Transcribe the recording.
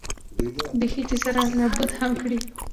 بېخي چې سره نابود هم کړي.